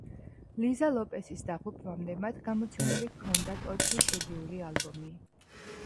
ლიზა ლოპესის დაღუპვამდე მათ გამოცემული ჰქონდათ ოთხი სტუდიური ალბომი.